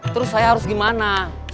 terus saya harus gimana